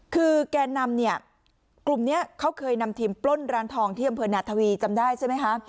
คือแกนนำเนี่ยกลุ่มนี้เขาเคยนำทีมปล้นร้านทองที่อำเภอนาทวีจำได้ใช่ไหมคะ